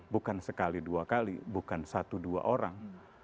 bukan sekali dua kali bukan satu dua orang